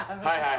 はい